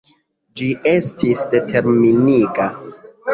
Ĝi estis determiniga.